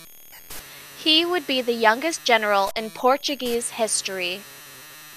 He would be the youngest general in Portuguese history.